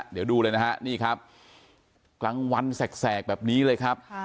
เดี๋ยวดูเลยนะฮะนี่ครับกลางวันแสกแบบนี้เลยครับ